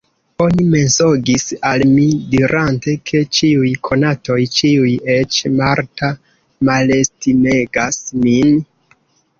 Oni mensogis al mi, dirante, ke ĉiuj konatoj, ĉiuj, eĉ Marta, malestimegas min.